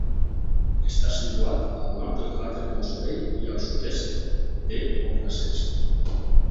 Està situat al nord del cràter Moseley i al sud sud-est de Voskresenskiy.